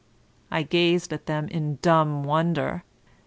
I gazed at them in dumb wonder.